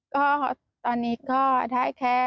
ก็ตอนนี้ก็ได้แค่